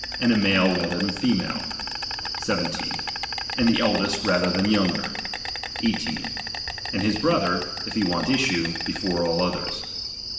And a male rather than female: 17 And the eldest rather than the younger; 18. And his brother, if he want issue, before all others.